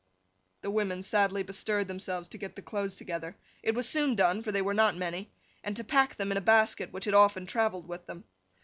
The women sadly bestirred themselves to get the clothes together—it was soon done, for they were not many—and to pack them in a basket which had often travelled with them.